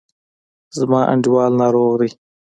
زما انډیوال ناروغ دی.